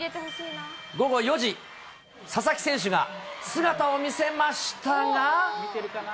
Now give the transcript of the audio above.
午後４時、佐々木選手が姿を見せましたが。